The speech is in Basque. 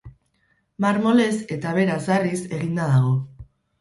Marmolez, eta beraz harriz, eginda dago.